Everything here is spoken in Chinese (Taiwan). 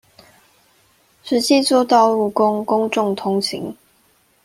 實際作道路供公眾通行